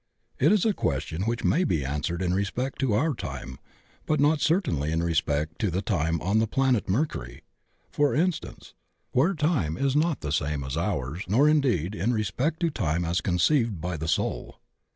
It is a question which may be answered in respect to our time, but not cer tainly in respect to the time on the planet Mercury, for instance, where time is not the same as ours, nor, indeed, in respect to time as conceived by the soul.